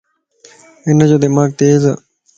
ھنجو دماغ تيز ا